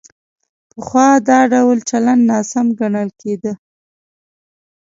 پخوا دا ډول چلند ناسم ګڼل کېده.